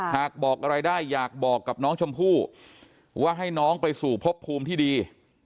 บอกอะไรได้อยากบอกกับน้องชมพู่ว่าให้น้องไปสู่พบภูมิที่ดี